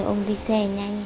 ông đi xe nhanh gọi